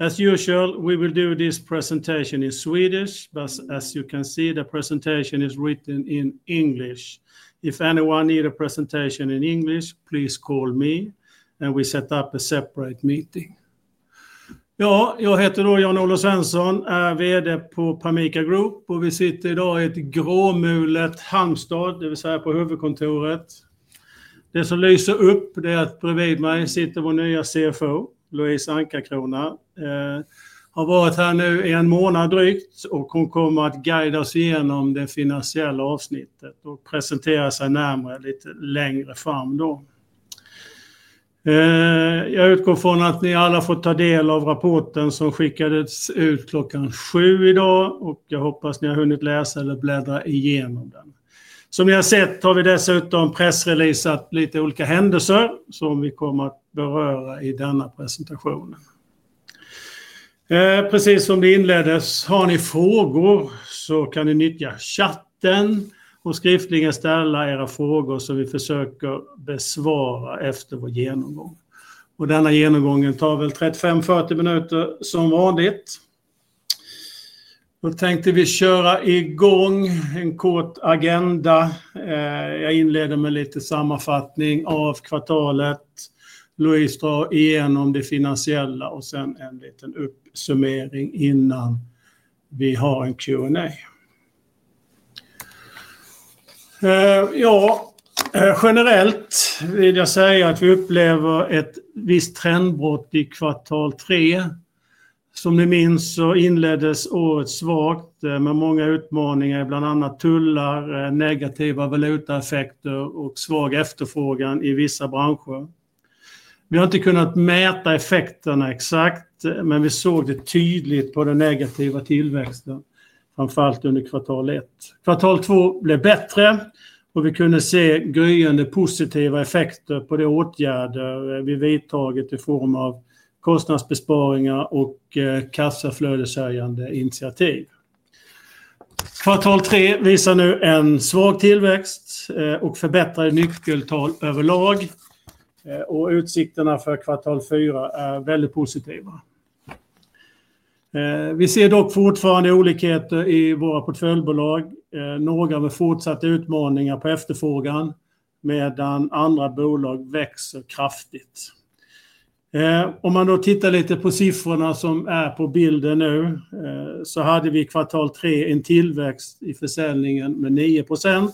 As usual, we will do this presentation in Swedish, but as you can see, the presentation is written in English. If anyone needs a presentation in English, please call me, and we set up a separate meeting. Ja, jag heter då Jan-Olof Svensson, är VD på Pamica Group, och vi sitter idag i ett gråmulet Halmstad, det vill säga på huvudkontoret. Det som lyser upp, det är att bredvid mig sitter vår nya CFO, Louise Ankarkrona. Hon har varit här nu i en månad drygt, och hon kommer att guida oss igenom det finansiella avsnittet och presentera sig närmare lite längre fram då. Jag utgår från att ni alla får ta del av rapporten som skickades ut klockan sju idag, och jag hoppas ni har hunnit läsa eller bläddra igenom den. Som ni har sett har vi dessutom pressreleasat lite olika händelser som vi kommer att beröra i denna presentation. Precis som det inleddes, har ni frågor så kan ni nyttja chatten och skriftligen ställa era frågor som vi försöker besvara efter vår genomgång. Denna genomgång tar väl 35-40 minuter som vanligt. Då tänkte vi köra igång en kort agenda. Jag inleder med lite sammanfattning av kvartalet. Louise drar igenom det finansiella, och sen en liten uppsummering innan vi har en Q&A. Ja. Generellt vill jag säga att vi upplever ett visst trendbrott i kvartal tre. Som ni minns så inleddes året svagt med många utmaningar, bland annat tullar, negativa valutaeffekter och svag efterfrågan i vissa branscher. Vi har inte kunnat mäta effekterna exakt, men vi såg det tydligt på den negativa tillväxten, framför allt under kvartal ett. Kvartal två blev bättre, och vi kunde se gryende positiva effekter på de åtgärder vi vidtagit i form av kostnadsbesparingar och kassaflödeshöjande initiativ. Kvartal tre visar nu en svag tillväxt och förbättrade nyckeltal överlag. Och utsikterna för kvartal fyra är väldigt positiva. Vi ser dock fortfarande olikheter i våra portföljbolag, några med fortsatta utmaningar på efterfrågan, medan andra bolag växer kraftigt. Om man då tittar lite på siffrorna som är på bilden nu så hade vi i kvartal tre en tillväxt i försäljningen med 9%.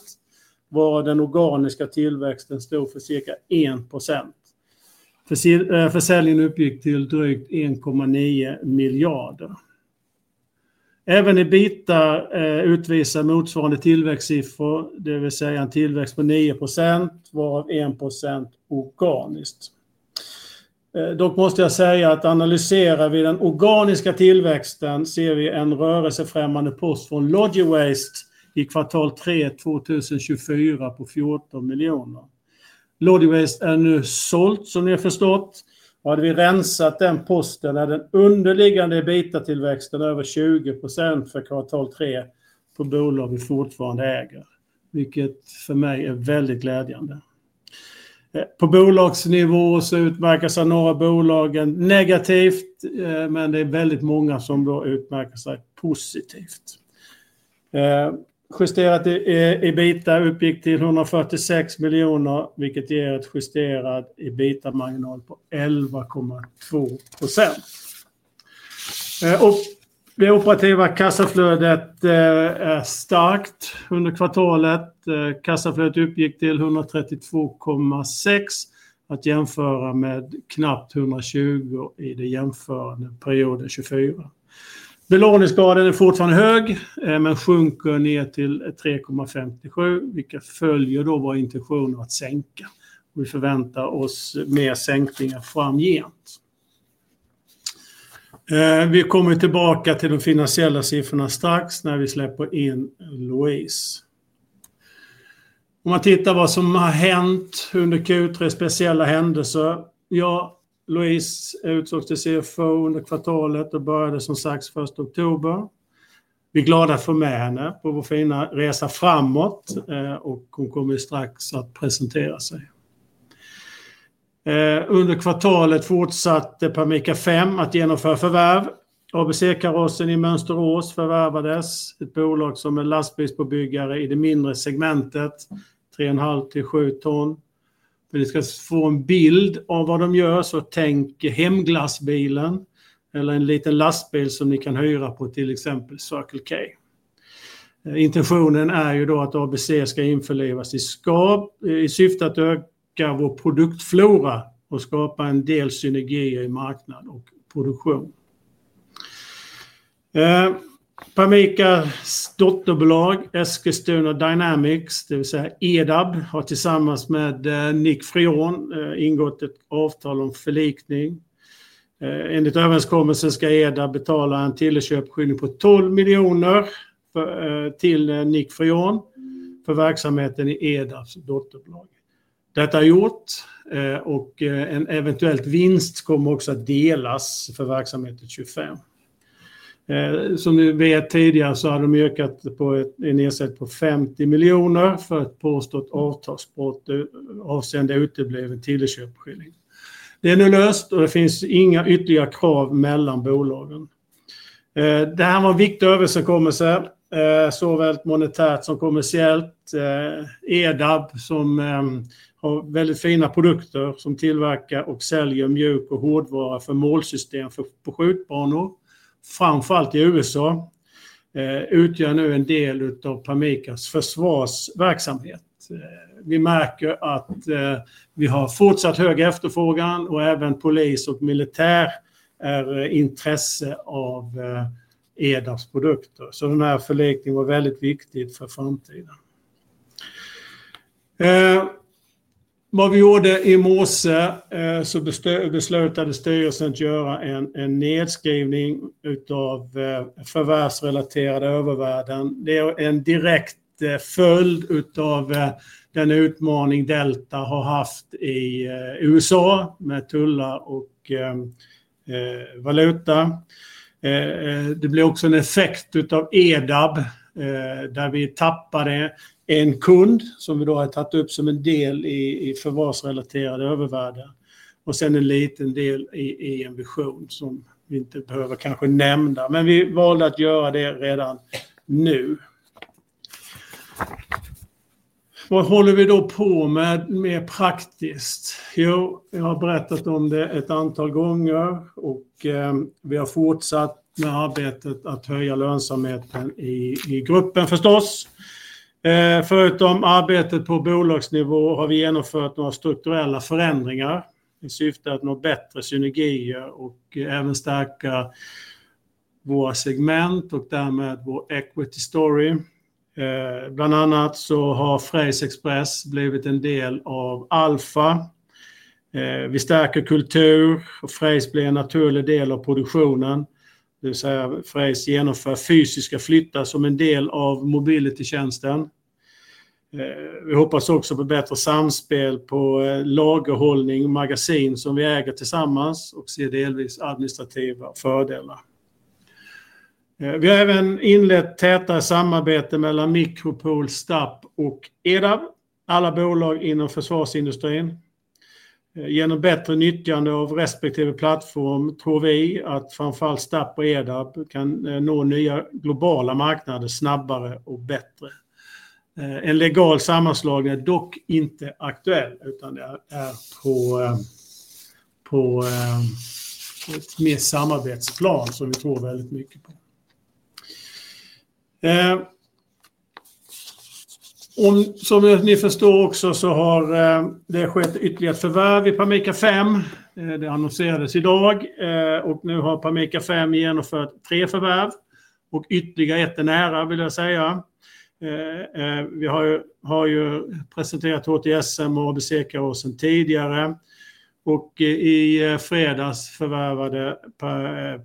Varav den organiska tillväxten stod för cirka 1%. Försäljningen uppgick till drygt 1,9 miljarder. Även EBITA utvisar motsvarande tillväxtsiffror, det vill säga en tillväxt på 9%, varav 1% organiskt. Dock måste jag säga att analyserar vi den organiska tillväxten ser vi en rörelsefrämmande post från Lodgy Waste i kvartal tre 2024 på 14 miljoner. Lodgy Waste är nu sålt, som ni har förstått. Hade vi rensat den posten är den underliggande EBITA-tillväxten över 20% för kvartal tre på bolag vi fortfarande äger, vilket för mig är väldigt glädjande. På bolagsnivå så utmärker sig några bolag negativt, men det är väldigt många som då utmärker sig positivt. Justerat EBITA uppgick till 146 miljoner, vilket ger en justerad EBITA-marginal på 11,2%. Det operativa kassaflödet är starkt under kvartalet. Kassaflödet uppgick till 132,6, att jämföra med knappt 120 i den jämförande perioden 2024. Belåningsgraden är fortfarande hög, men sjunker ner till 3,57, vilket följer då vår intention att sänka. Vi förväntar oss mer sänkningar framgent. Vi kommer tillbaka till de finansiella siffrorna strax när vi släpper in Louise. Om man tittar på vad som har hänt under Q3, speciella händelser. Ja, Louise är utsåg till CFO under kvartalet och började som sagt 1 oktober. Vi är glada att få med henne på vår fina resa framåt, och hon kommer strax att presentera sig. Under kvartalet fortsatte Pamica 5 att genomföra förvärv. ABC-karossen i Mönsterås förvärvades. Ett bolag som är lastbilsbebyggare i det mindre segmentet, 3,5 till 7 ton. För att ni ska få en bild av vad de gör så tänk hemglassbilen eller en liten lastbil som ni kan hyra på till exempel Circle K. Intentionen är ju då att ABC ska införlivas i. Syftet är att öka vår produktflora och skapa en del synergier i marknad och produktion. Pamicas dotterbolag, Eskilstuna Dynamics, det vill säga Edab, har tillsammans med Nick Frion ingått ett avtal om förlikning. Enligt överenskommelsen ska Edab betala en tillköpskillnad på 12 miljoner till Nick Frion för verksamheten i Edabs dotterbolag. Detta har gjorts, och en eventuell vinst kommer också att delas för verksamheten 2025. Som ni vet tidigare så hade de ökat på en ersättning på 50 miljoner för ett påstått avtalsbrott avseende utebliven tillköpskillnad. Det är nu löst, och det finns inga ytterligare krav mellan bolagen. Det här var en viktig överenskommelse, såväl monetärt som kommersiellt. Edab, som har väldigt fina produkter som tillverkar och säljer mjuk- och hårdvara för målsystem för på skjutbanor, framför allt i USA. Utgör nu en del av Pamicas försvarsverksamhet. Vi märker att vi har fortsatt hög efterfrågan, och även polis och militär är intresse av Edabs produkter. Så den här förlikningen var väldigt viktig för framtiden. Vad vi gjorde i morse så beslutade styrelsen att göra en nedskrivning av förvärvsrelaterade övervärden. Det är en direkt följd av den utmaning Delta har haft i USA med tullar och valuta. Det blir också en effekt av Edab där vi tappade en kund som vi då har tagit upp som en del i förvärvsrelaterade övervärden. Och sen en liten del i en vision som vi inte behöver kanske nämna. Men vi valde att göra det redan nu. Vad håller vi då på med mer praktiskt? Jo, jag har berättat om det ett antal gånger, och vi har fortsatt med arbetet att höja lönsamheten i gruppen förstås. Förutom arbetet på bolagsnivå har vi genomfört några strukturella förändringar i syfte att nå bättre synergier och även stärka våra segment och därmed vår equity story. Bland annat så har Frejs Express blivit en del av Alfa. Vi stärker kultur, och Frejs blir en naturlig del av produktionen. Det vill säga Frejs genomför fysiska flyttar som en del av mobility-tjänsten. Vi hoppas också på bättre samspel på lagerhållning och magasin som vi äger tillsammans och ser delvis administrativa fördelar. Vi har även inlett tätare samarbete mellan Micropool, Stapp och Edab, alla bolag inom försvarsindustrin. Genom bättre nyttjande av respektive plattform tror vi att framför allt Stapp och Edab kan nå nya globala marknader snabbare och bättre. En legal sammanslagning är dock inte aktuell, utan det är på ett mer samarbetsplan som vi tror väldigt mycket på. Som ni förstår också så har det skett ytterligare ett förvärv i Pamica 5. Det annonserades idag, och nu har Pamica 5 genomfört tre förvärv och ytterligare ett är nära, vill jag säga. Vi har ju presenterat HTSM och ABC-karossen tidigare. Och i fredags förvärvade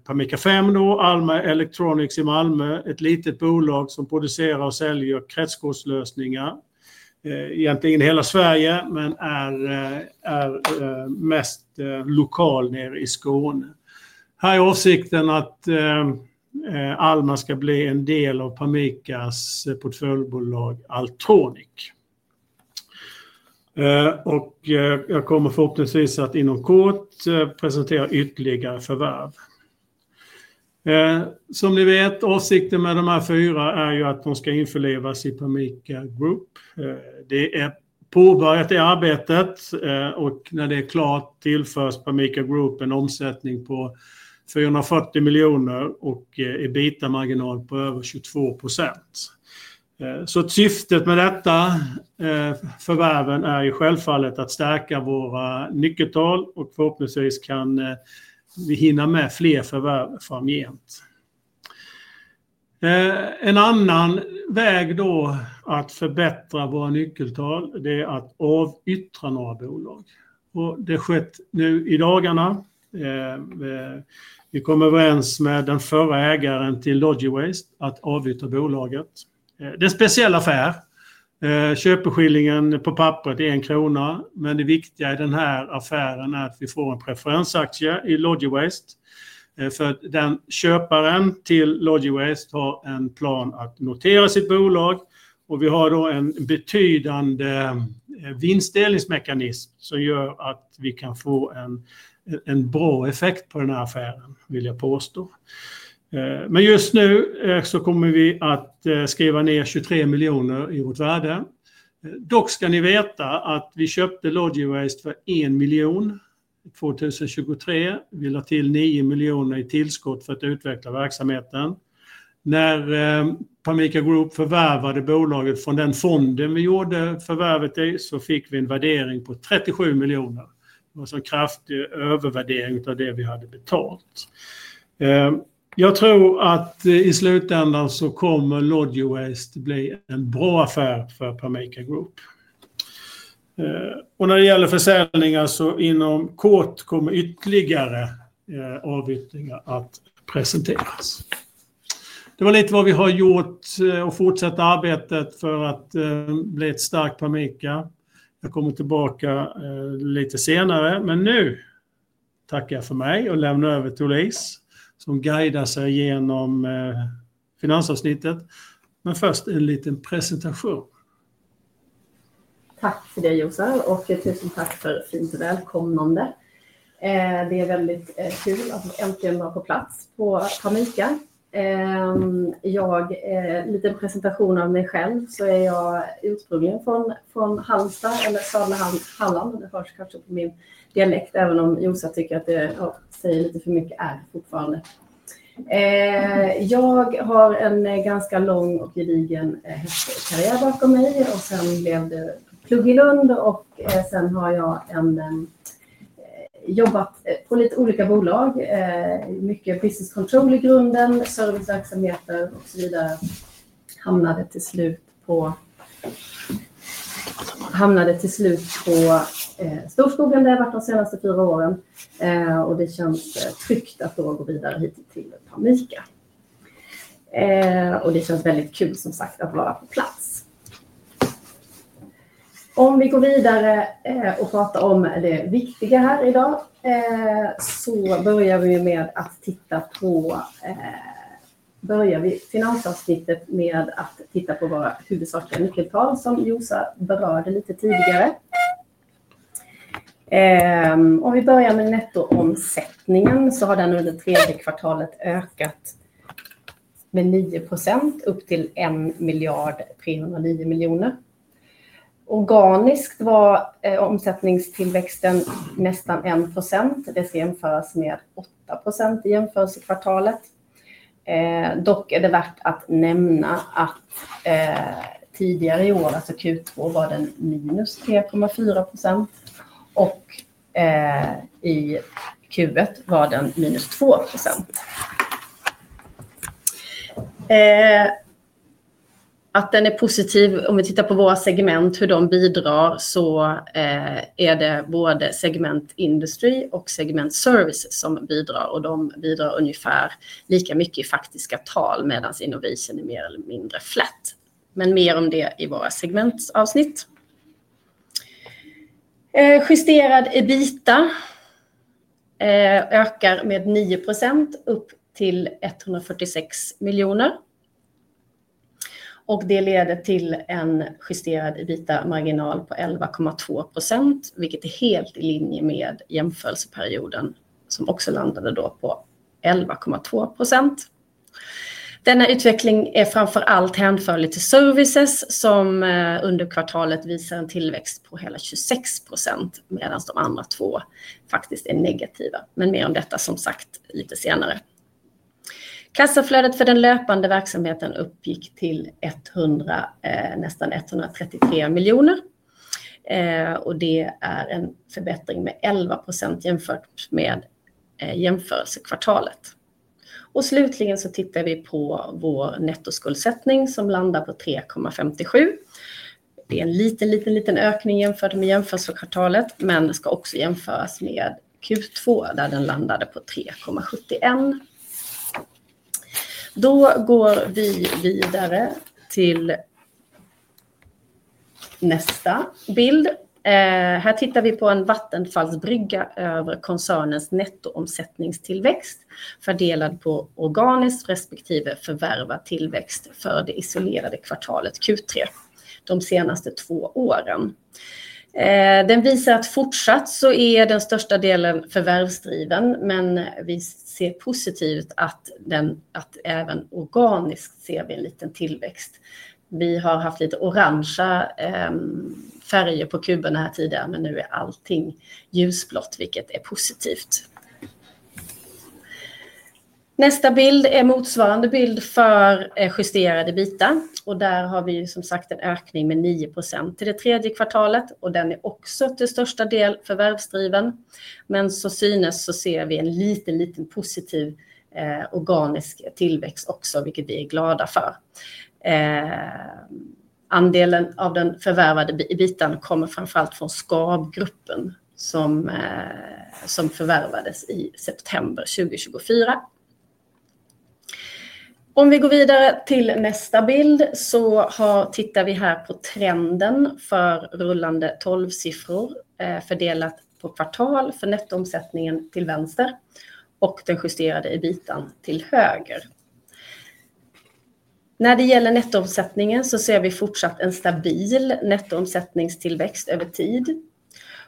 Pamica 5 då, Alma Electronics i Malmö, ett litet bolag som producerar och säljer kretskortslösningar. Egentligen hela Sverige, men är mest lokal nere i Skåne. Här är avsikten att Alma ska bli en del av Pamicas portföljbolag Altronic. Och jag kommer förhoppningsvis att inom kort presentera ytterligare förvärv. Som ni vet, avsikten med de här fyra är ju att de ska införlivas i Pamica Group. Det är påbörjat i arbetet, och när det är klart tillförs Pamica Group en omsättning på 440 miljoner och EBITA-marginal på över 22%. Så syftet med detta förvärven är i självfallet att stärka våra nyckeltal, och förhoppningsvis kan vi hinna med fler förvärv framgent. En annan väg då att förbättra våra nyckeltal, det är att avyttra några bolag. Det har skett nu i dagarna. Vi kommer att vara ens med den förra ägaren till Lodgy Waste att avyttra bolaget. Det är en speciell affär. Köpeskillingen på pappret är en krona, men det viktiga i den här affären är att vi får en preferensaktie i Lodgy Waste. För att den köparen till Lodgy Waste har en plan att notera sitt bolag, och vi har då en betydande vinstdelningsmekanism som gör att vi kan få en bra effekt på den här affären, vill jag påstå. Men just nu så kommer vi att skriva ner 23 miljoner i vårt värde. Dock ska ni veta att vi köpte Lodgy Waste för 1 miljon 2023. Vi la till 9 miljoner i tillskott för att utveckla verksamheten. När Pamica Group förvärvade bolaget från den fonden vi gjorde förvärvet i, så fick vi en värdering på 37 miljoner. Det var en kraftig övervärdering av det vi hade betalt. Jag tror att i slutändan så kommer Lodgy Waste bli en bra affär för Pamica Group. Och när det gäller försäljningar så inom kort kommer ytterligare avyttringar att presenteras. Det var lite vad vi har gjort och fortsätter arbetet för att bli ett starkt Pamica. Jag kommer tillbaka lite senare, men nu tackar jag för mig och lämnar över till Louise som guidar sig genom finansavsnittet. Men först en liten presentation. Tack för det, Jose, och tusen tack för ett fint välkomnande. Det är väldigt kul att äntligen vara på plats på Pamica. Jag, liten presentation av mig själv, så är jag ursprungligen från från Halmstad eller Sadlarhamn, Halland. Det hörs kanske på min dialekt, även om Jose tycker att det säger lite för mycket är fortfarande. Jag har en ganska lång och gedigen karriär bakom mig, och sen blev det plugg i Lund, och sen har jag jobbat på lite olika bolag, mycket business control i grunden, service verksamheter och så vidare. Hamnade till slut på Storskogen där jag har varit de senaste fyra åren, och det känns tryggt att då gå vidare hit till Pamica. Och det känns väldigt kul som sagt att vara på plats. Om vi går vidare, och pratar om det viktiga här idag, så börjar vi ju med att titta på, börjar vi finansavsnittet med att titta på våra huvudsakliga nyckeltal som Jose berörde lite tidigare. Om vi börjar med nettoomsättningen så har den under tredje kvartalet ökat med 9% upp till 1.309 miljoner. Organiskt var omsättningstillväxten nästan 1%, det ska jämföras med 8% i jämförelsekvartalet. Dock är det värt att nämna att, tidigare i år, alltså Q2, var den minus 3,4%. Och, i Q1 var den minus 2%. Att den är positiv, om vi tittar på våra segment, hur de bidrar, så, är det både segment Industry och segment Services som bidrar, och de bidrar ungefär lika mycket i faktiska tal, medan Innovation är mer eller mindre flat. Men mer om det i våra segmentsavsnitt. Justerad EBITA ökar med 9% upp till 146 miljoner. Och det leder till en justerad EBITA-marginal på 11,2%, vilket är helt i linje med jämförelseperioden som också landade då på 11,2%. Denna utveckling är framför allt hänförlig till Services som under kvartalet visar en tillväxt på hela 26%, medan de andra två faktiskt är negativa. Men mer om detta som sagt lite senare. Kassaflödet för den löpande verksamheten uppgick till nästan 133 miljoner. Och det är en förbättring med 11% jämfört med jämförelsekvartalet. Och slutligen så tittar vi på vår nettoskuldsättning som landar på 3,57. Det är en liten, liten, liten ökning jämfört med jämförelsekvartalet, men det ska också jämföras med Q2 där den landade på 3,71. Då går vi vidare till nästa bild. Här tittar vi på en vattenfallsbrygga över koncernens nettoomsättningstillväxt fördelad på organiskt respektive förvärvad tillväxt för det isolerade kvartalet Q3 de senaste två åren. Den visar att fortsatt så är den största delen förvärvsdriven, men vi ser positivt att den, att även organiskt ser vi en liten tillväxt. Vi har haft lite orange färger på kuben den här tiden, men nu är allting ljusblått, vilket är positivt. Nästa bild är motsvarande bild för justerad EBITA, och där har vi ju som sagt en ökning med 9% till det tredje kvartalet, och den är också till största del förvärvsdriven. Men så synes så ser vi en liten, liten positiv, organisk tillväxt också, vilket vi är glada för. Andelen av den förvärvade EBITAn kommer framför allt från SKAB-gruppen som, som förvärvades i september 2024. Om vi går vidare till nästa bild så tittar vi här på trenden för rullande tolvsiffror fördelat på kvartal för nettoomsättningen till vänster och den justerade EBITAn till höger. När det gäller nettoomsättningen så ser vi fortsatt en stabil nettoomsättningstillväxt över tid.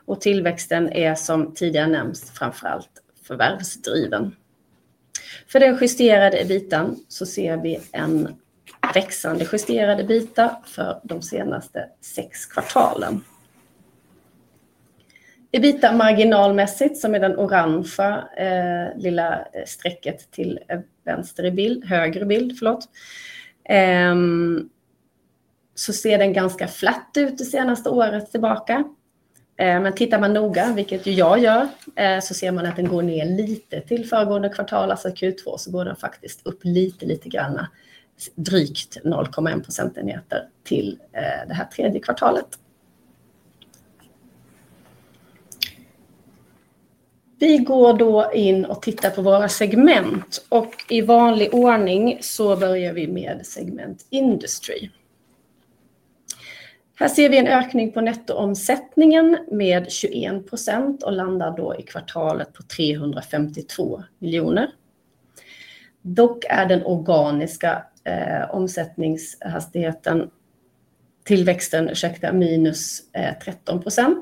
Och tillväxten är, som tidigare nämnts, framför allt förvärvsdriven. För den justerade EBITAn så ser vi en växande justerad EBITA för de senaste sex kvartalen. EBITA-marginalmässigt, som är den orange lilla strecket till vänster i bild, högre bild, förlåt. Så ser den ganska flat ut det senaste året tillbaka. Men tittar man noga, vilket ju jag gör, så ser man att den går ner lite till föregående kvartal, alltså Q2, så går den faktiskt upp lite, lite granna, drygt 0,1 procentenheter till det här tredje kvartalet. Vi går då in och tittar på våra segment, och i vanlig ordning så börjar vi med segment Industry. Här ser vi en ökning på nettoomsättningen med 21% och landar då i kvartalet på 352 miljoner. Dock är den organiska omsättningstillväxten, ursäkta, minus 13%.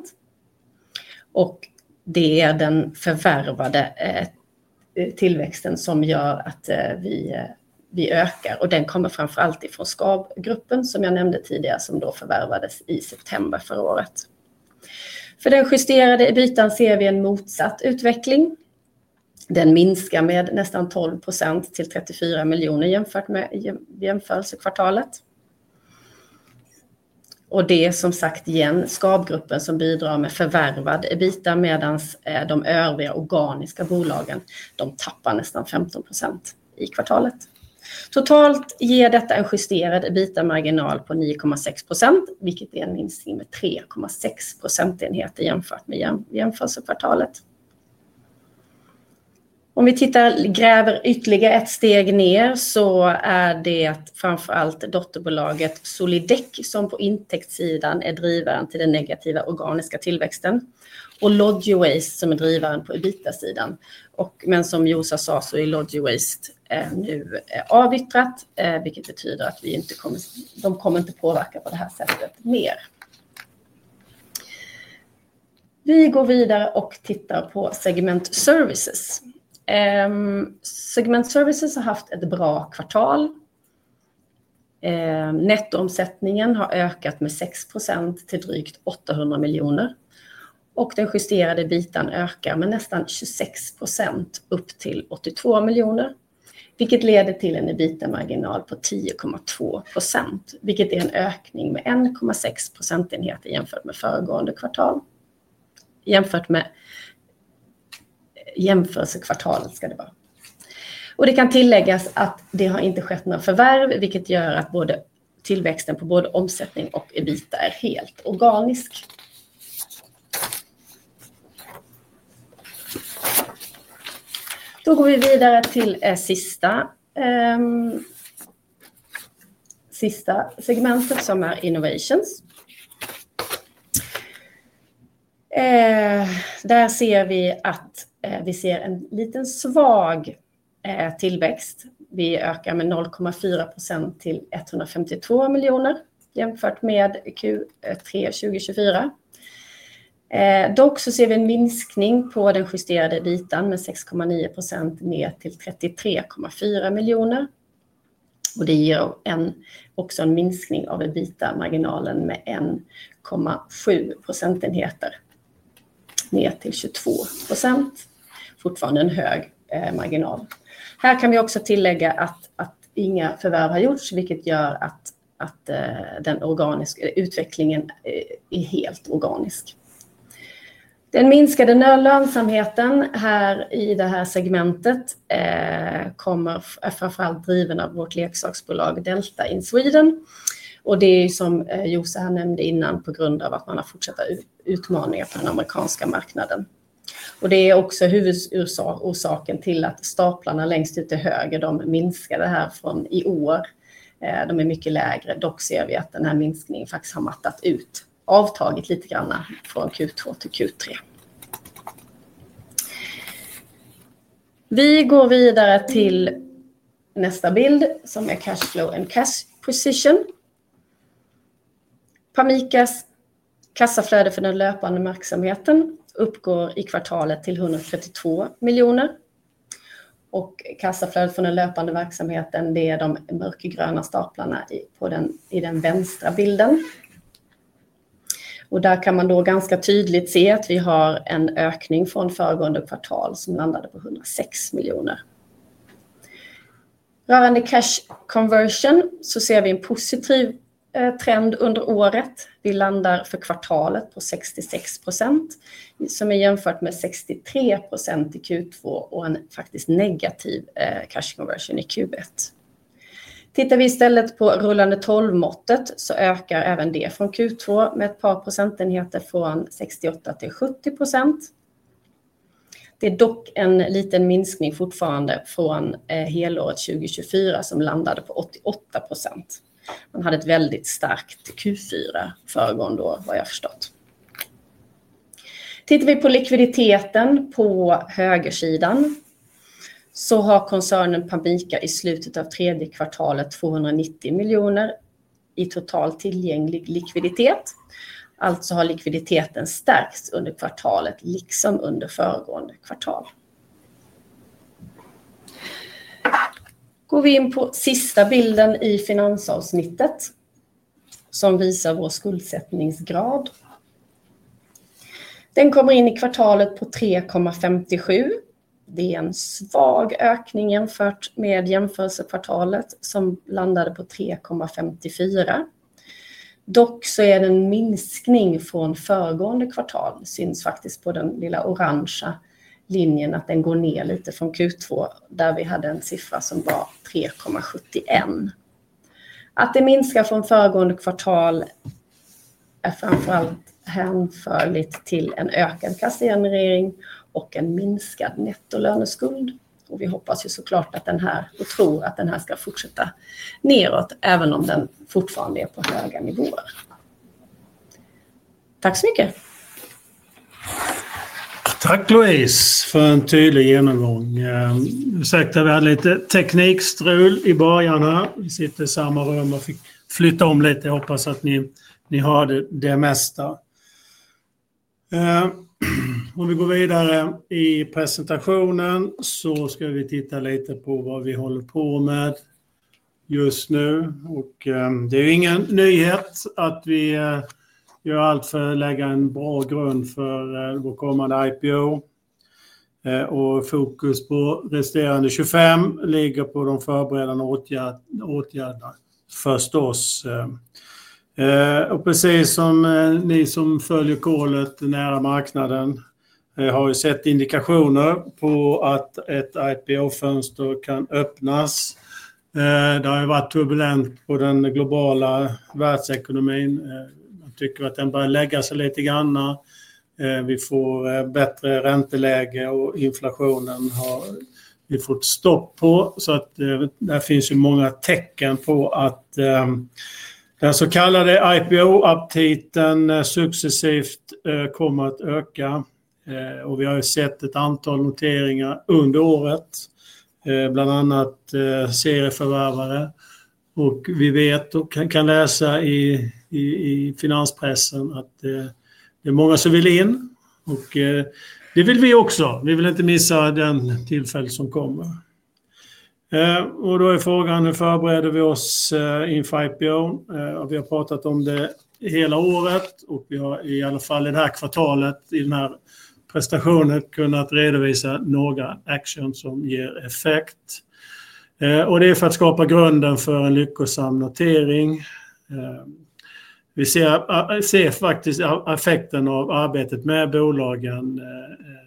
Och det är den förvärvade tillväxten som gör att vi vi ökar, och den kommer framför allt ifrån SKAB-gruppen som jag nämnde tidigare, som då förvärvades i september förra året. För den justerade EBITAn ser vi en motsatt utveckling. Den minskar med nästan 12% till 34 miljoner jämfört med jämförelsekvartalet. Och det är som sagt igen SKAB-gruppen som bidrar med förvärvad EBITA, medan de övriga organiska bolagen, de tappar nästan 15% i kvartalet. Totalt ger detta en justerad EBITA-marginal på 9,6%, vilket är en minskning med 3,6 procentenheter jämfört med jämförelsekvartalet. Om vi tittar, gräver ytterligare ett steg ner så är det att framför allt dotterbolaget Solidec som på intäktssidan är drivaren till den negativa organiska tillväxten och Lodgy Waste som är drivaren på EBITA-sidan. Och men som Jose sa så är Lodgy Waste nu avyttrat, vilket betyder att vi inte kommer, de kommer inte påverka på det här sättet mer. Vi går vidare och tittar på segment Services. Segment Services har haft ett bra kvartal. Nettoomsättningen har ökat med 6% till drygt 800 miljoner, och den justerade EBITAn ökar med nästan 26% upp till 82 miljoner, vilket leder till en EBITA-marginal på 10,2%, vilket är en ökning med 1,6 procentenheter jämfört med jämförelsekvartalet. Och det kan tilläggas att det har inte skett några förvärv, vilket gör att både tillväxten på både omsättning och EBITA är helt organisk. Då går vi vidare till sista segmentet som är Innovations. Där ser vi att vi ser en liten svag tillväxt. Vi ökar med 0,4% till 152 miljoner jämfört med Q3 2024. Dock så ser vi en minskning på den justerade EBITAn med 6,9% ner till 33,4 miljoner. Och det ger också en minskning av EBITA-marginalen med 1,7 procentenheter ner till 22%. Fortfarande en hög marginal. Här kan vi också tillägga att inga förvärv har gjorts, vilket gör att den organiska utvecklingen är helt organisk. Den minskade lönsamheten här i det här segmentet, kommer framför allt driven av vårt leksaksbolag Delta in Sweden. Och det är ju som Jose här nämnde innan, på grund av att man har fortsatta utmaningar på den amerikanska marknaden. Och det är också huvudorsaken till att staplarna längst ut till höger, de minskade här från i år. De är mycket lägre, dock ser vi att den här minskningen faktiskt har mattat ut, avtagit lite granna från Q2 till Q3. Vi går vidare till nästa bild som är Cash Flow and Cash Position. Pamicas kassaflöde för den löpande verksamheten uppgår i kvartalet till 132 miljoner. Och kassaflöde för den löpande verksamheten, det är de mörkgröna staplarna på den i den vänstra bilden. Och där kan man då ganska tydligt se att vi har en ökning från föregående kvartal som landade på 106 miljoner. Rörande cash conversion så ser vi en positiv trend under året. Vi landar för kvartalet på 66%. Som är jämfört med 63% i Q2 och en faktiskt negativ cash conversion i Q1. Tittar vi istället på rullande tolvmåttet så ökar även det från Q2 med ett par procentenheter från 68 till 70%. Det är dock en liten minskning fortfarande från helåret 2024 som landade på 88%. Man hade ett väldigt starkt Q4 föregående år, har jag förstått. Tittar vi på likviditeten på högersidan. Så har koncernen Pamica i slutet av tredje kvartalet 290 miljoner i total tillgänglig likviditet. Alltså har likviditeten stärkts under kvartalet, liksom under föregående kvartal. Går vi in på sista bilden i finansavsnittet. Som visar vår skuldsättningsgrad. Den kommer in i kvartalet på 3,57. Det är en svag ökning jämfört med jämförelsekvartalet som landade på 3,54. Dock så är det en minskning från föregående kvartal. Det syns faktiskt på den lilla orangea linjen att den går ner lite från Q2, där vi hade en siffra som var 3,71. Att det minskar från föregående kvartal är framför allt hänförligt till en ökad kassagenerering och en minskad nettolöneskuld. Och vi hoppas ju såklart att den här, och tror att den här ska fortsätta neråt, även om den fortfarande är på höga nivåer. Tack så mycket. Tack Louise för en tydlig genomgång. Ursäkta, vi hade lite teknikstrul i början här. Vi sitter i samma rum och fick flytta om lite. Jag hoppas att ni har det mesta. Om vi går vidare i presentationen så ska vi titta lite på vad vi håller på med just nu. Och det är ju ingen nyhet att vi gör allt för att lägga en bra grund för vår kommande IPO. Och fokus på resterande 25 ligger på de förberedande åtgärderna, förstås. Och precis som ni som följer kolet nära marknaden har ju sett indikationer på att ett IPO-fönster kan öppnas. Det har ju varit turbulent på den globala världsekonomin. Man tycker att den börjar lägga sig lite grann. Vi får bättre ränteläge och inflationen har vi fått stopp på. Så att där finns ju många tecken på att den så kallade IPO-uptiten successivt kommer att öka. Och vi har ju sett ett antal noteringar under året. Bland annat serieförvärvare. Och vi vet och kan läsa i i i finanspressen att det är många som vill in. Och det vill vi också. Vi vill inte missa den tillfälle som kommer. Och då är frågan: Hur förbereder vi oss inför IPO? Och vi har pratat om det hela året. Och vi har i alla fall i det här kvartalet, i den här prestationen, kunnat redovisa några actions som ger effekt. Och det är för att skapa grunden för en lyckosam notering. Vi ser faktiskt effekten av arbetet med bolagen.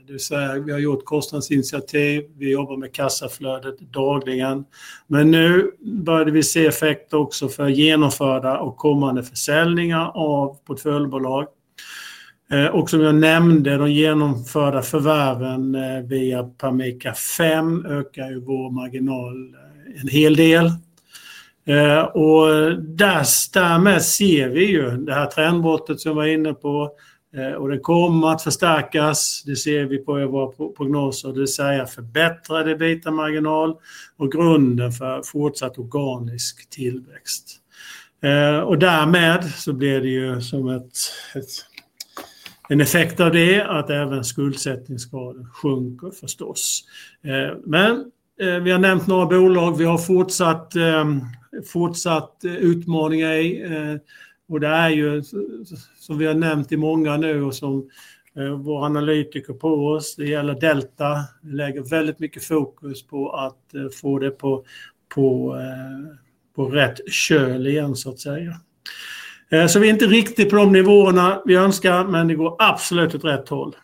Det vill säga, vi har gjort kostnadsinitiativ. Vi jobbar med kassaflödet dagligen. Men nu började vi se effekt också för genomförda och kommande försäljningar av portföljbolag. Och som jag nämnde, de genomförda förvärven via Pamica 5 ökar ju vår marginal en hel del. Och därmed ser vi ju det här trendbrottet som jag var inne på. Och det kommer att förstärkas. Det ser vi på våra prognoser. Det vill säga, förbättrade EBITA-marginal och grunden för fortsatt organisk tillväxt. Och därmed så blir det ju som en effekt av det att även skuldsättningsgraden sjunker, förstås. Men vi har nämnt några bolag. Vi har fortsatt utmaningar i. Och det är ju som vi har nämnt i många nu och som vår analytiker på oss. Det gäller Delta. Vi lägger väldigt mycket fokus på att få det på på på rätt köl igen, så att säga. Så vi är inte riktigt på de nivåerna vi önskar, men det går absolut åt rätt håll.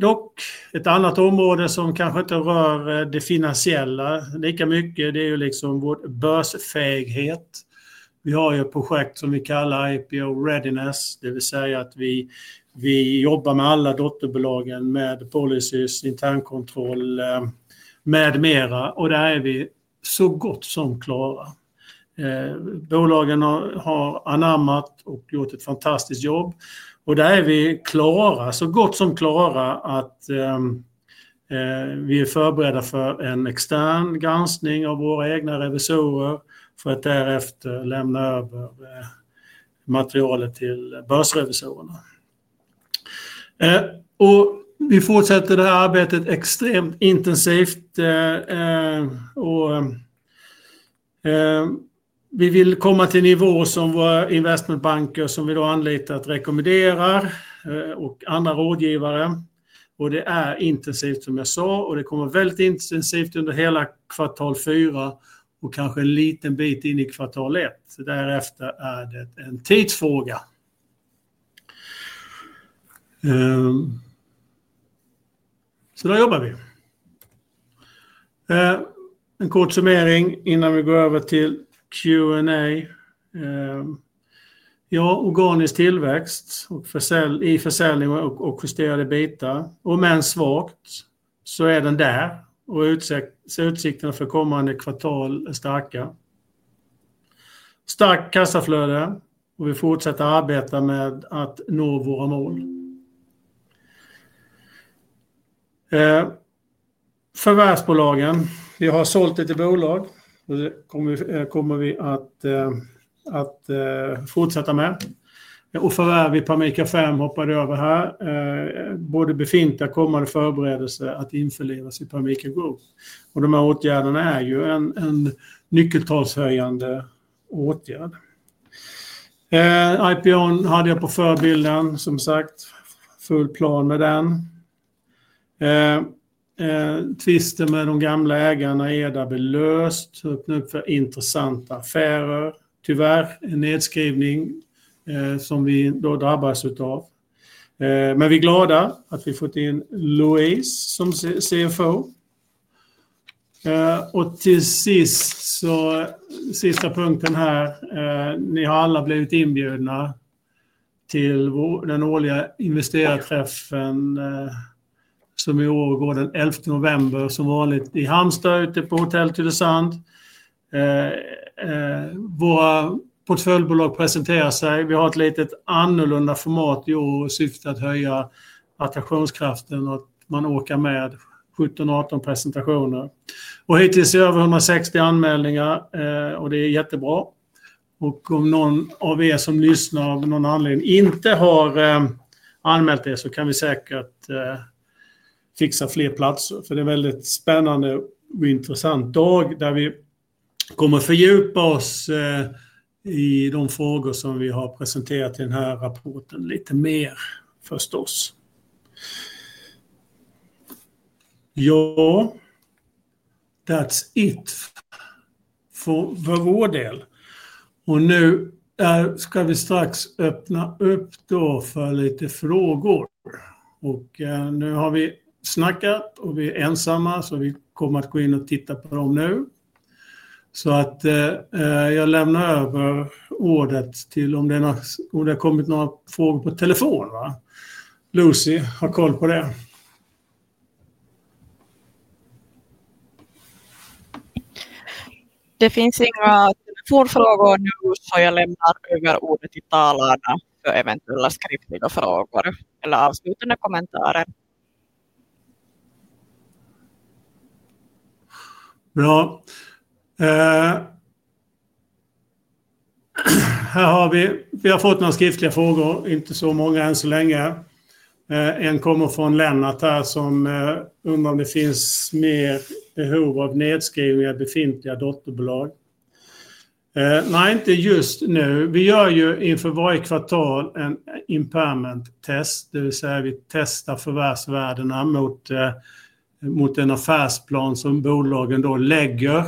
Dock ett annat område som kanske inte rör det finansiella lika mycket, det är ju liksom vårt börsfähighet. Vi har ju ett projekt som vi kallar IPO Readiness. Det vill säga att vi vi jobbar med alla dotterbolagen, med policies, internkontroll. Med mera. Och där är vi så gott som klara. Bolagen har anammat och gjort ett fantastiskt jobb. Och där är vi klara, så gott som klara, att vi är förberedda för en extern granskning av våra egna revisorer. För att därefter lämna över materialet till börsrevisorerna. Och vi fortsätter det här arbetet extremt intensivt. Och vi vill komma till nivå som våra investmentbanker, som vi då anlitar, rekommenderar och andra rådgivare. Och det är intensivt, som jag sa. Och det kommer väldigt intensivt under hela kvartal 4. Och kanske en liten bit in i kvartal 1. Därefter är det en tidsfråga. Så där jobbar vi. En kort summering innan vi går över till Q&A. Ja, organisk tillväxt och i försäljning och justerade EBITA. Och men svagt så är den där. Och utsikterna för kommande kvartal är starka. Starkt kassaflöde. Och vi fortsätter arbeta med att nå våra mål. Förvärvsbolagen. Vi har sålt lite bolag. Och det kommer vi att fortsätta med. Och förvärv i Pamica 5 hoppar vi över här. Både befintliga och kommande förberedelser att införlivas i Pamica Group. Och de här åtgärderna är ju en nyckeltalshöjande åtgärd. IPO:n hade jag på förbilden, som sagt. Full plan med den. Tvister med de gamla ägarna är där belöst. Öppnar upp för intressanta affärer. Tyvärr en nedskrivning som vi då drabbas av. Men vi är glada att vi fått in Louise som CFO. Och till sist så. Sista punkten här. Ni har alla blivit inbjudna till den årliga investerarträffen. Som i år går den 11 november. Som vanligt i Halmstad ute på Hotel Tydösand. Våra portföljbolag presenterar sig. Vi har ett litet annorlunda format i år och syftar att höja attraktionskraften. Och att man åker med 17-18 presentationer. Och hittills är det över 160 anmälningar. Och det är jättebra. Och om någon av som lyssnar av någon anledning inte har anmält så kan vi säkert fixa fler platser. För det är en väldigt spännande och intressant dag där vi kommer fördjupa oss i de frågor som vi har presenterat i den här rapporten lite mer, förstås. Ja. That's it. För vår del. Och nu ska vi strax öppna upp då för lite frågor. Och nu har vi snackat och vi är ensamma så vi kommer att gå in och titta på dem nu. Så att jag lämnar över ordet till om det har kommit några frågor på telefon. Va? Lucy har koll på det. Det finns inga telefonfrågor nu så jag lämnar över ordet till talarna för eventuella skriftliga frågor eller avslutande kommentarer. Bra. Här har vi. Vi har fått några skriftliga frågor. Inte så många än så länge. En kommer från Lennart här som undrar om det finns mer behov av nedskrivning av befintliga dotterbolag. Nej, inte just nu. Vi gör ju inför varje kvartal en impairment test. Det vill säga vi testar förvärvsvärdena mot en affärsplan som bolagen då lägger.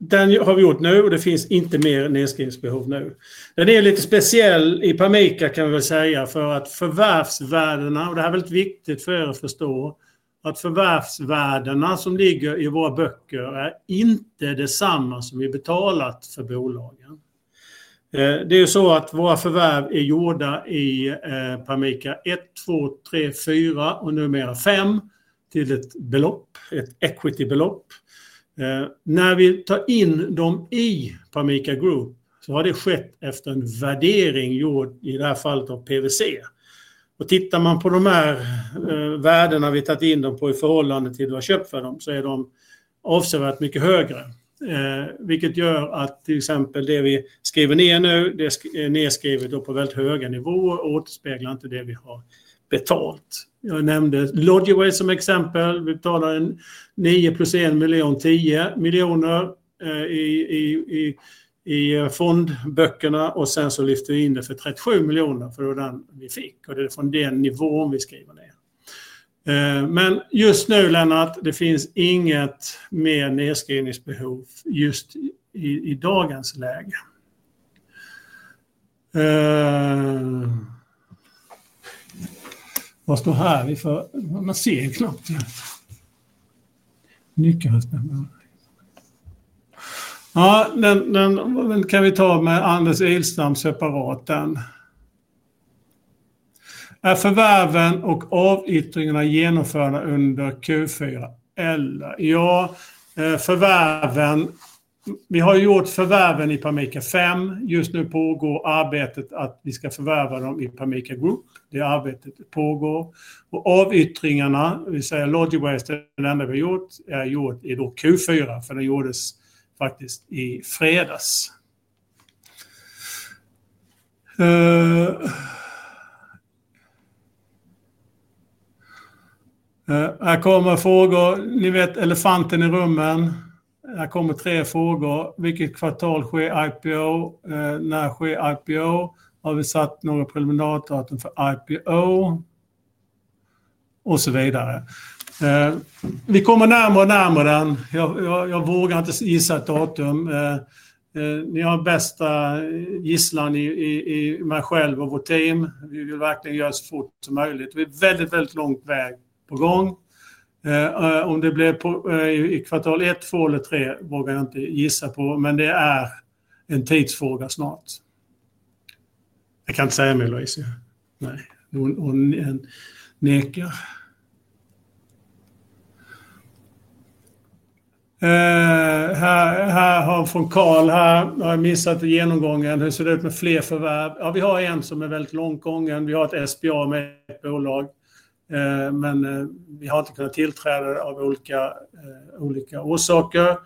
Den har vi gjort nu och det finns inte mer nedskrivningsbehov nu. Den är lite speciell i Pamica kan vi väl säga för att förvärvsvärdena, och det här är väldigt viktigt för att förstå, att förvärvsvärdena som ligger i våra böcker är inte detsamma som vi betalat för bolagen. Det är ju så att våra förvärv är gjorda i Pamica 1, 2, 3, 4 och numera 5 till ett belopp, ett equity-belopp. När vi tar in dem i Pamica Group så har det skett efter en värdering gjord i det här fallet av PwC. Och tittar man på de här värdena vi tagit in dem på i förhållande till vad vi har köpt för dem så är de avsevärt mycket högre. Vilket gör att till exempel det vi skriver ner nu, det är nedskrivet då på väldigt höga nivåer och återspeglar inte det vi har betalt. Jag nämnde Lodgy Way som exempel. Vi betalar en 9 plus 1 miljon 10 miljoner i i i i fondböckerna och sen så lyfter vi in det för 37 miljoner för det var den vi fick. Och det är från den nivån vi skriver ner. Men just nu Lennart, det finns inget mer nedskrivningsbehov just i i dagens läge. Vad står här? Vi får, man ser knappt. Nyckeln. Ja, den kan vi ta med Anders Ilstam separat den. Är förvärven och avyttringarna genomförda under Q4 eller? Ja, förvärven. Vi har gjort förvärven i Pamica 5. Just nu pågår arbetet att vi ska förvärva dem i Pamica Group. Det arbetet pågår. Och avyttringarna, det vill säga Lodgy Ways, det enda vi har gjort är gjort i då Q4, för den gjordes faktiskt i fredags. Här kommer frågor. Ni vet elefanten i rummen. Här kommer tre frågor. Vilket kvartal sker IPO? När sker IPO? Har vi satt några preliminärdatum för IPO? Och så vidare. Vi kommer närmare och närmare den. Jag vågar inte gissa ett datum. Ni har bästa gisslan i mig själv och vårt team. Vi vill verkligen göra det så fort som möjligt. Vi är väldigt, väldigt långt väg på gång. Om det blir i kvartal 1, 2 eller 3 vågar jag inte gissa på, men det är en tidsfråga snart. Jag kan inte säga mer Louise. Nej, hon nekar. Här har vi från Carl här. Jag har missat genomgången. Hur ser det ut med fler förvärv? Ja, vi har en som är väldigt långt gången. Vi har ett SBA med ett bolag. Men vi har inte kunnat tillträda det av olika olika orsaker.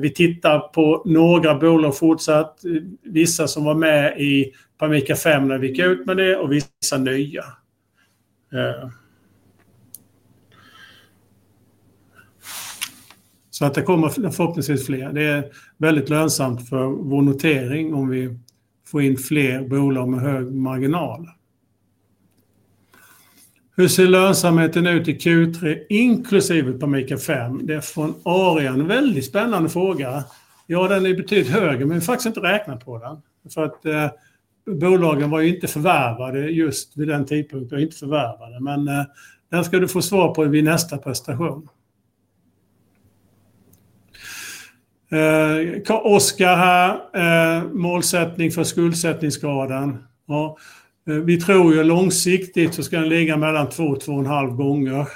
Vi tittar på några bolag fortsatt. Vissa som var med i Pamica 5 när vi gick ut med det och vissa nya. Så att det kommer förhoppningsvis fler. Det är väldigt lönsamt för vår notering om vi får in fler bolag med hög marginal. Hur ser lönsamheten ut i Q3 inklusive Pamica 5? Det är från Arian. Väldigt spännande fråga. Ja, den är betydligt högre, men vi har faktiskt inte räknat på den. För att bolagen var ju inte förvärvade just vid den tidpunkten. Vi har inte förvärvade. Men den ska du få svar på i vid nästa presentation. Oscar här. Målsättning för skuldsättningsgraden. Ja, vi tror ju långsiktigt så ska den ligga mellan 2-2,5 gånger.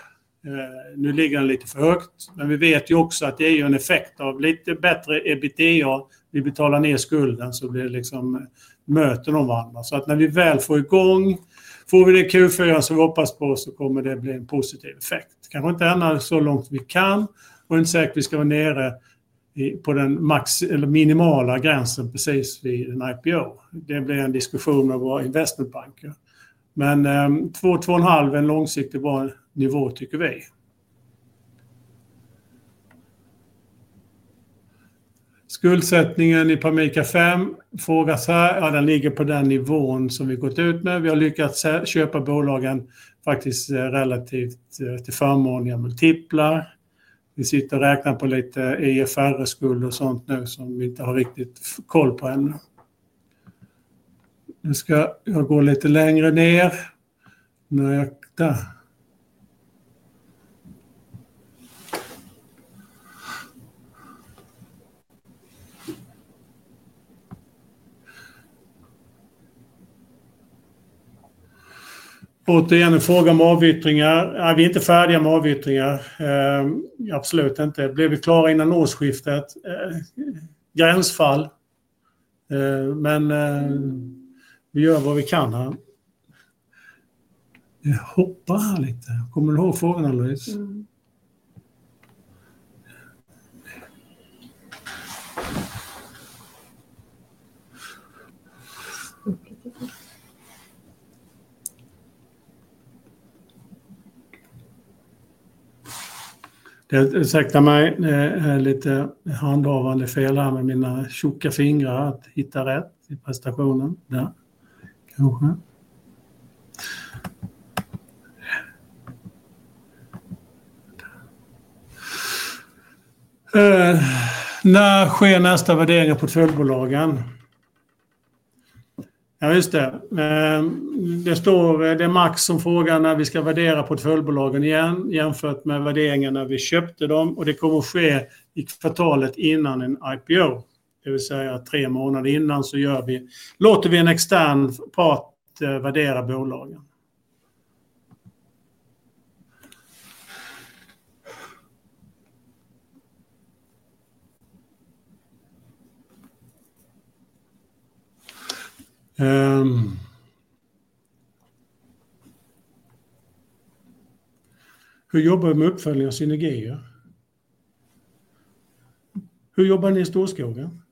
Nu ligger den lite för högt. Men vi vet ju också att det är ju en effekt av lite bättre EBITDA. Vi betalar ner skulden så blir det liksom möten om varandra. Så att när vi väl får igång, får vi det Q4 som vi hoppas på, så kommer det bli en positiv effekt. Kanske inte ändra så långt vi kan. Och inte säkert vi ska vara nere i på den minimala gränsen precis vid en IPO. Det blir en diskussion med våra investmentbankers. Men 2-2,5 är en långsiktig bra nivå, tycker vi. Skuldsättningen i Pamica 5 frågas här. Ja, den ligger på den nivån som vi har gått ut med. Vi har lyckats köpa bolagen faktiskt relativt till förmånliga multiplar. Vi sitter och räknar på lite EFR-skuld och sånt nu som vi inte har riktigt koll på ännu. Nu ska jag gå lite längre ner. Nu har jag där. Återigen en fråga om avyttringar. Vi är inte färdiga med avyttringar. Absolut inte. Blev vi klara innan årsskiftet? Gränsfall. Men vi gör vad vi kan här. Jag hoppar här lite. Kommer du ihåg frågorna, Louise? Det saktar mig. Det är lite handhavande fel här med mina tjocka fingrar att hitta rätt i presentationen. Där kanske. När sker nästa värdering av portföljbolagen? Ja, just det. Det står, det är Max som frågar när vi ska värdera portföljbolagen igen, jämfört med värderingen när vi köpte dem. Och det kommer att ske i kvartalet innan en IPO. Det vill säga tre månader innan så gör vi, låter vi en extern part värdera bolagen. Hur jobbar vi med uppföljning av synergier? Hur jobbar ni i Storskogen?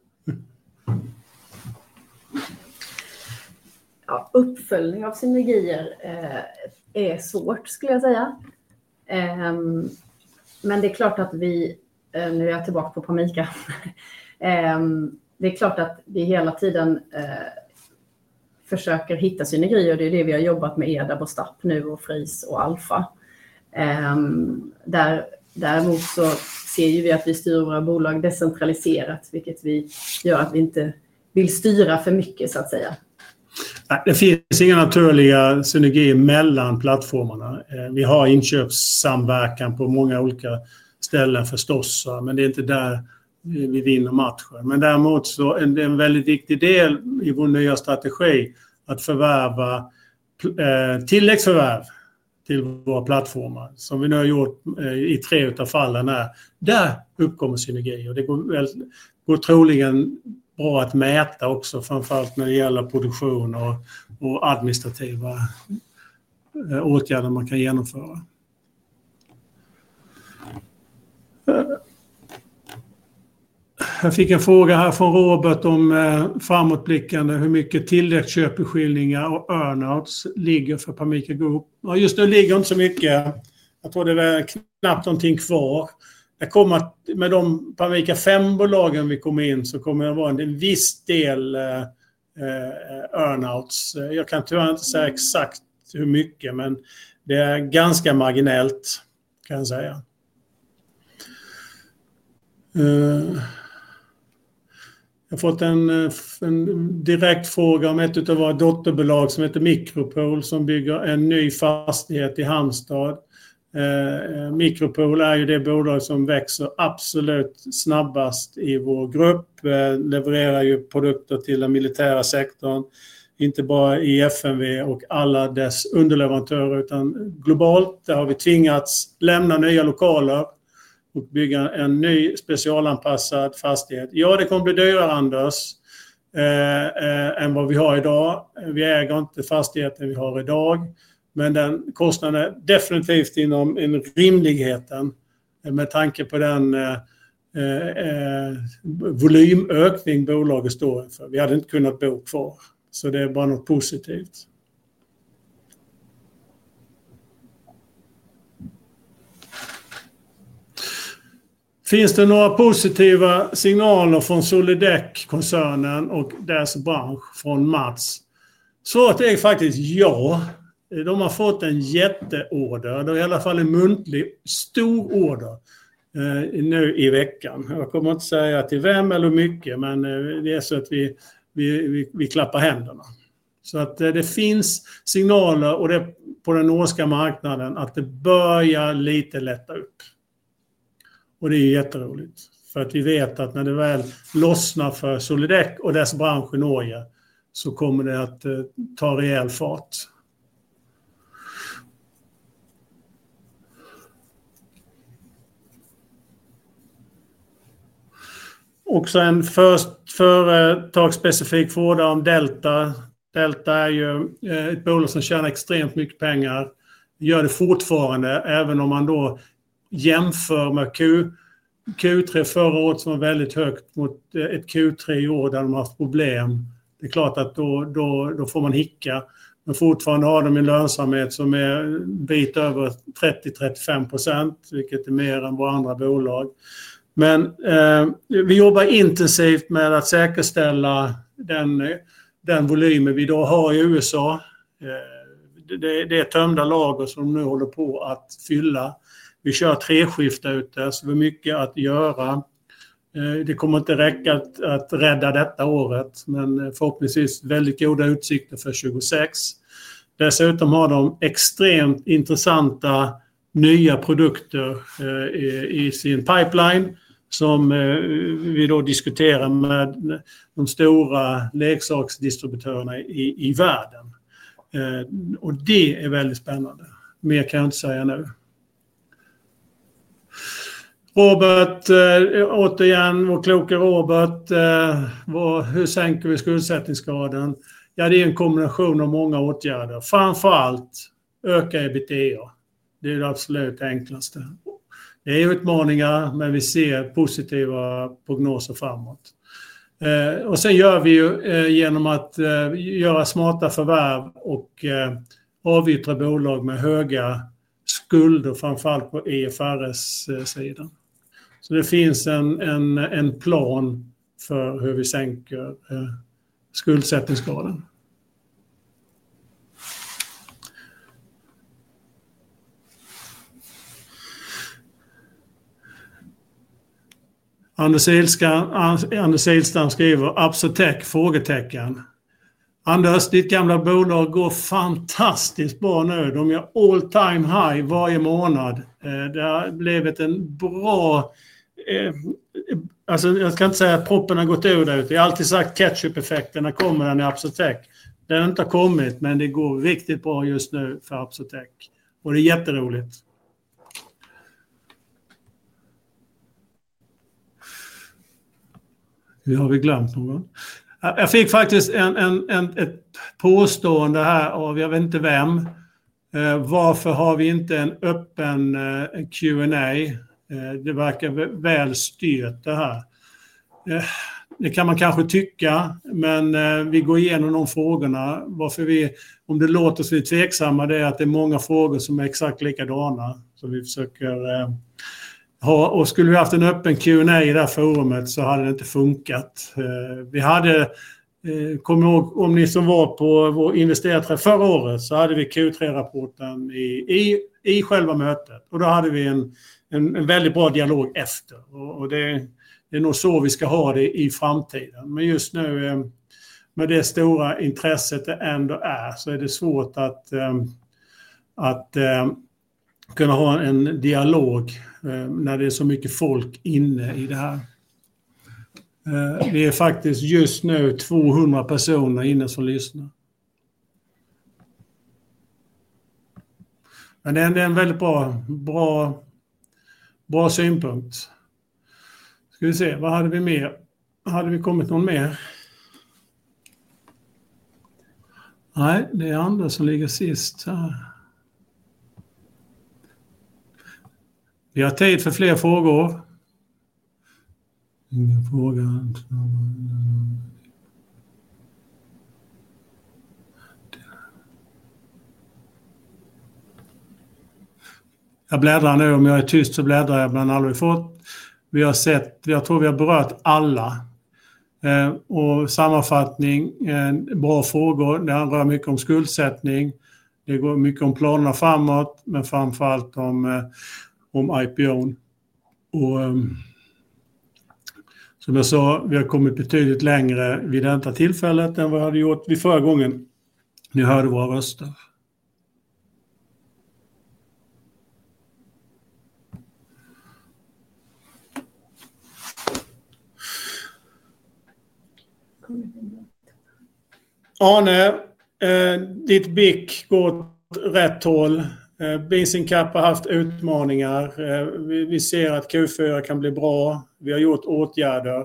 Ja, uppföljning av synergier är svårt, skulle jag säga. Men det är klart att vi, nu är jag tillbaka på Pamica. Det är klart att vi hela tiden försöker hitta synergier. Och det är det vi har jobbat med Edab och Stapp nu och Frees och Alfa. Där däremot så ser ju vi att vi styr våra bolag decentraliserat. Vilket vi gör att vi inte vill styra för mycket, så att säga. Det finns inga naturliga synergier mellan plattformarna. Vi har inköpssamverkan på många olika ställen förstås. Men det är inte där vi vinner matchen. Men däremot så är det en väldigt viktig del i vår nya strategi att förvärva tilläggsförvärv till våra plattformar. Som vi nu har gjort i tre av fallen här. Där uppkommer synergier. Och det går väl troligen bra att mäta också. Framförallt när det gäller produktion och administrativa åtgärder man kan genomföra. Jag fick en fråga här från Robert om framåtblickande. Hur mycket tilläggsköp, beskyllningar och earn-outs ligger för Pamica Group? Ja, just nu ligger det inte så mycket. Jag tror det är knappt någonting kvar. Det kommer att med de Pamica 5-bolagen vi kommer in så kommer det att vara en viss del earn-outs. Jag kan tyvärr inte säga exakt hur mycket. Men det är ganska marginellt, kan jag säga. Jag har fått en direktfråga om ett av våra dotterbolag som heter Micropool. Som bygger en ny fastighet i Halmstad. Micropool är ju det bolag som växer absolut snabbast i vår grupp. Levererar ju produkter till den militära sektorn. Inte bara i FMV och alla dess underleverantörer. Utan globalt. Där har vi tvingats lämna nya lokaler. Och bygga en ny specialanpassad fastighet. Ja, det kommer att bli dyrare, Anders. Än vad vi har idag. Vi äger inte fastigheten vi har idag. Men den kostnaden är definitivt inom en rimligheten. Med tanke på den volymökning bolaget står inför. Vi hade inte kunnat bo kvar. Så det är bara något positivt. Finns det några positiva signaler från Solidec-koncernen och deras bransch från Mats? Svaret är faktiskt ja. De har fått en jätteorder. Det är i alla fall en muntlig stor order. Nu i veckan. Jag kommer inte säga till vem eller hur mycket. Men det är så att vi vi vi vi klappar händerna. Så att det finns signaler och det är på den norska marknaden att det börjar lite lätta upp. Och det är ju jätteroligt. För att vi vet att när det väl lossnar för Solidec och deras bransch i Norge så kommer det att ta rejäl fart. Också en företagsspecifik fråga om Delta. Delta är ju ett bolag som tjänar extremt mycket pengar. Gör det fortfarande även om man då jämför med Q3 förra året som var väldigt högt mot ett Q3 i år där de har haft problem. Det är klart att då då då får man hicka. Men fortfarande har de en lönsamhet som är en bit över 30-35%. Vilket är mer än våra andra bolag. Men vi jobbar intensivt med att säkerställa den den volymen vi då har i USA. Det det är tömda lager som de nu håller på att fylla. Vi kör tre skiften ute. Så vi har mycket att göra. Det kommer inte räcka att att rädda detta året. Men förhoppningsvis väldigt goda utsikter för 2026. Dessutom har de extremt intressanta nya produkter i i sin pipeline. Som vi då diskuterar med de stora leksaksdistributörerna i i världen. Och det är väldigt spännande. Mer kan jag inte säga nu. Robert återigen vår kloka Robert. Vad hur sänker vi skuldsättningsgraden? Ja det är en kombination av många åtgärder. Framförallt öka EBITDA. Det är ju det absolut enklaste. Det är utmaningar men vi ser positiva prognoser framåt. Och sen gör vi ju genom att göra smarta förvärv och avytra bolag med höga skulder. Framförallt på EFR-sidan. Så det finns en en en plan för hur vi sänker skuldsättningsgraden. Anders Ilstam skriver Absotech? Anders ditt gamla bolag går fantastiskt bra nu. De gör all time high varje månad. Det har blivit en bra. Alltså jag ska inte säga att proppen har gått ur där ute. Jag har alltid sagt ketchupeffekten när kommer den i Absotech. Den har inte har kommit men det går riktigt bra just nu för Absotech. Och det är jätteroligt. Nu har vi glömt någon. Jag fick faktiskt en ett påstående här av jag vet inte vem. Varför har vi inte en öppen Q&A? Det verkar väl styra det här. Det kan man kanske tycka. Men vi går igenom de frågorna. Varför vi om det låter så tveksamt är att det är många frågor som är exakt likadana. Så vi försöker ha. Och skulle vi ha haft en öppen Q&A i det här forumet så hade det inte funkat. Vi hade. Kom ihåg om ni som var på vår investerare förra året så hade vi Q3-rapporten i i i själva mötet. Och då hade vi en en en väldigt bra dialog efter. Och och det är nog så vi ska ha det i framtiden. Men just nu med det stora intresset det ändå är så är det svårt att kunna ha en dialog när det är så mycket folk inne i det här. Det är faktiskt just nu 200 personer inne som lyssnar. Men det är en väldigt bra bra bra synpunkt. Ska vi se vad hade vi mer? Hade vi kommit någon mer? Nej det är andra som ligger sist här. Vi har tid för fler frågor. Ingen fråga än. Jag bläddrar nu om jag är tyst så bläddrar jag men aldrig fått. Vi har sett vi har tror vi har berört alla. Och sammanfattning bra frågor. Det handlar mycket om skuldsättning. Det går mycket om planerna framåt. Men framförallt om om IPOn. Och som jag sa vi har kommit betydligt längre vid detta tillfället än vad vi hade gjort vid förra gången. Ni hörde våra röster. Ja nej. Ditt BIC går åt rätt håll. Bincin Cap har haft utmaningar. Vi ser att Q4 kan bli bra. Vi har gjort åtgärder.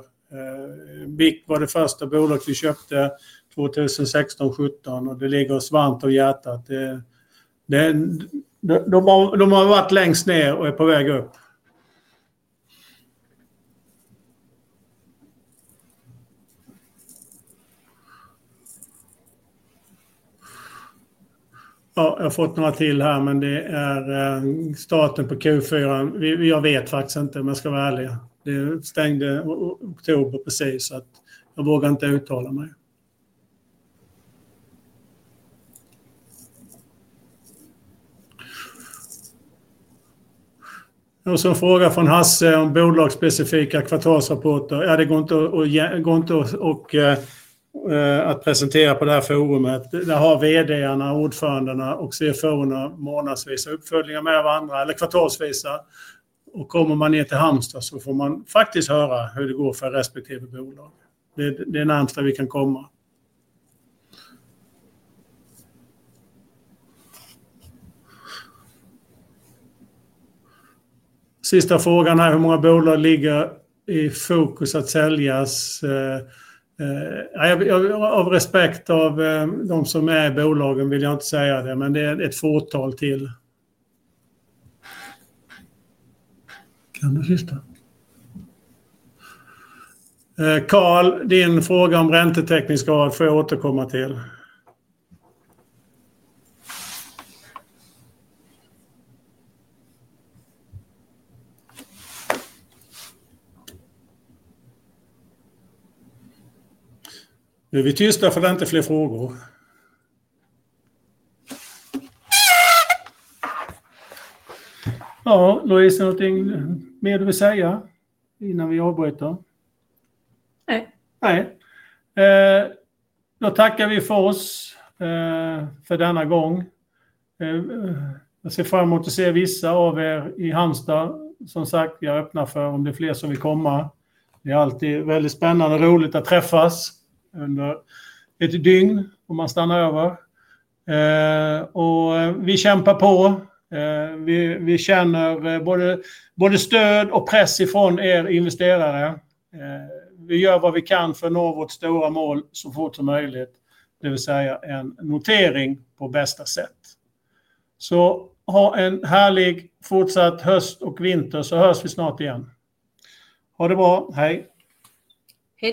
BIC var det första bolaget vi köpte 2016-17. Och det ligger oss varmt om hjärtat. Det är de har de har varit längst ner och är på väg upp. Ja jag har fått några till här men det är. Starten på Q4. Jag vet faktiskt inte om jag ska vara ärlig. Det stängde oktober precis. Så att jag vågar inte uttala mig. Och så en fråga från Hasse om bolagsspecifika kvartalsrapporter. Ja det går inte att att presentera på det här forumet. Där har vd:arna, ordförandena och CFO:erna månadsvisa uppföljningar med varandra. Eller kvartalsvisa. Och kommer man ner till Halmstad så får man faktiskt höra hur det går för respektive bolag. Det är närmsta vi kan komma. Sista frågan är hur många bolag ligger i fokus att säljas. Ja jag av respekt av de som är i bolagen vill jag inte säga det. Men det är ett fåtal till. Kan du sista? Karl din fråga om räntetäckningsgrad får jag återkomma till. Nu är vi tysta för det är inte fler frågor. Ja Louise är det någonting mer du vill säga innan vi avbryter? Nej. Nej. Då tackar vi för oss för denna gång. Jag ser fram emot att se vissa av i Halmstad. Som sagt jag öppnar för om det är fler som vill komma. Det är alltid väldigt spännande och roligt att träffas. Under ett dygn om man stannar över. Och vi kämpar på. Vi vi känner både både stöd och press ifrån investerare. Vi gör vad vi kan för att nå vårt stora mål så fort som möjligt. Det vill säga en notering på bästa sätt. Så ha en härlig fortsatt höst och vinter så hörs vi snart igen. Ha det bra hej. Hej.